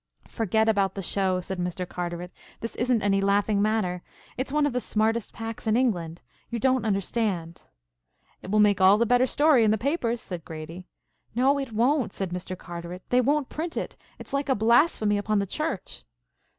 "Forget about the show," said Mr. Carteret. "This isn't any laughing matter. It's one of the smartest packs in England. You don't understand." "It will make all the better story in the papers," said Grady. "No it won't," said Mr. Carteret. "They won't print it. It's like a blasphemy upon the Church."